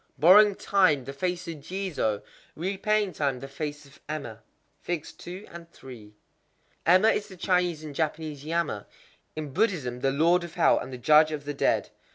_ Borrowing time, the face of Jizō; repaying time, the face of Emma. Emma is the Chinese and Japanese Yama,—in Buddhism the Lord of Hell, and the Judge of the Dead.